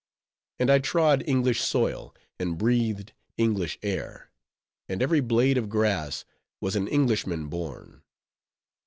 And I trod English soil; and breathed English air; and every blade of grass was an Englishman born.